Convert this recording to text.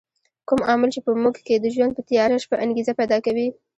کوم عامل چې په موږ کې د ژوند په تیاره شپه انګېزه پیدا کوي.